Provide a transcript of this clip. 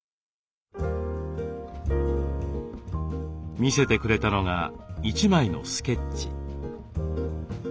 見せてくれたのが一枚のスケッチ。